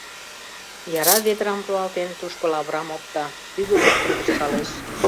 Яра ведрам руалтен, тушко лавырам опта, тӱгӧ луктын кышкалеш.